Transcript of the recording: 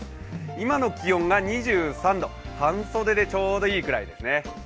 今の気温が２３度、半袖でちょうどいいぐらいですね。